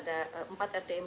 dan percepatan pembangunan kila